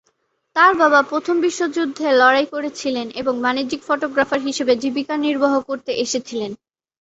তাঁর বাবা প্রথম বিশ্বযুদ্ধে লড়াই করেছিলেন, এবং বাণিজ্যিক ফটোগ্রাফার হিসাবে জীবিকা নির্বাহ করতে এসেছিলেন।